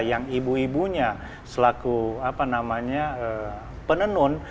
yang ibu ibunya selaku penenun